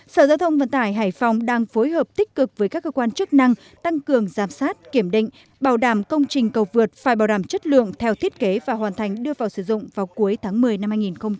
sở giao thông vận tải hải phòng đang phối hợp tích cực với các cơ quan chức năng tăng cường giám sát kiểm định bảo đảm công trình cầu vượt phải bảo đảm chất lượng theo thiết kế và hoàn thành đưa vào sử dụng vào cuối tháng một mươi năm hai nghìn hai mươi